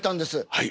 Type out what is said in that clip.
はい。